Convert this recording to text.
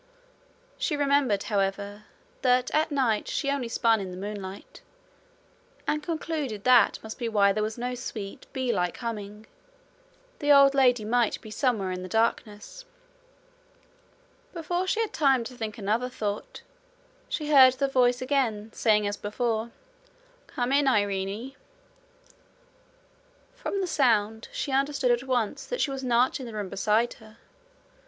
She remembered, however, that at night she spun only in the moonlight, and concluded that must be why there was no sweet, bee like humming: the old lady might be somewhere in the darkness. Before she had time to think another thought, she heard her voice again, saying as before: 'Come in, Irene.' From the sound, she understood at once that she was not in the room beside her.